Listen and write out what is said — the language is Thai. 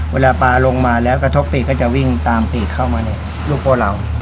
เวลาปลาลงมาแล้วกระทบตีดก็จะวิ่งตามตีเข้ามาในลูกพวกเรา